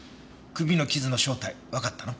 首の傷の正体わかったの？